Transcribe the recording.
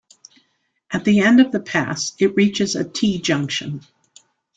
At the end of the pass, it reaches a t-junction.